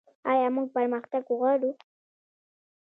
آیا موږ پرمختګ غواړو؟